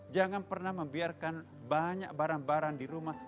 jangan pernah membiarkan banyak barang barang di rumah